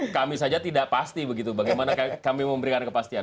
kami saja tidak pasti begitu bagaimana kami memberikan kepastian